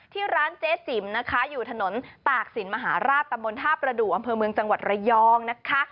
ที่ร้านเจ๊จิ๋มนะคะอยู่ถนนตากศิลปมหาราชตำบลท่าประดูกอำเภอเมืองจังหวัดระยองนะคะ